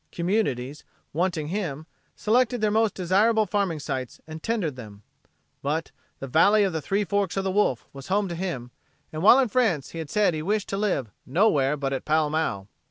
Communities, wanting him, selected their most desirable farming sites and tendered them. But the "Valley of the Three Forks o' the Wolf" was home to him, and while in France he had said he wished to live "nowhere but at Pall Mall."